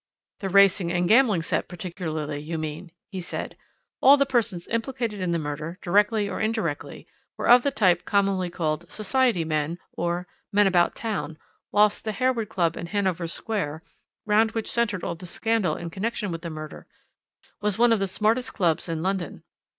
"The racing and gambling set, particularly, you mean," he said. "All the persons implicated in the murder, directly or indirectly, were of the type commonly called 'Society men,' or 'men about town,' whilst the Harewood Club in Hanover Square, round which centred all the scandal in connection with the murder, was one of the smartest clubs in London.